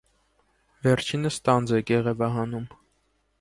Վերջինս տանձ է կեղևահանում։